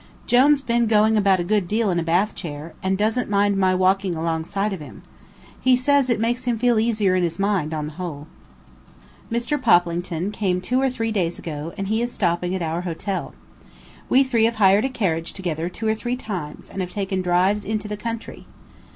Jone's been going about a good deal in a bath chair, and doesn't mind my walking alongside of him. He says it makes him feel easier in his mind, on the whole. Mr. Poplington came two or three days ago, and he is stopping at our hotel. We three have hired a carriage together two or three times and have taken drives into, the country.